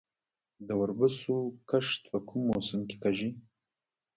د وربشو کښت په کوم موسم کې کیږي؟